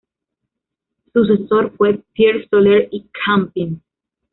Su sucesor fue Pere Soler i Campins.